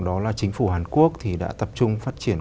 đó là chính phủ hàn quốc thì đã tập trung phát triển